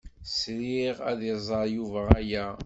Sriɣ ad iẓer Yuba aya.